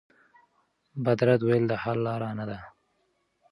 بد رد ویل د حل لاره نه ده.